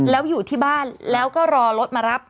แล้วอยู่ที่บ้านแล้วก็รอรถมารับ